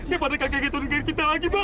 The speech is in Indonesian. daripada kaget kaget kita lagi bang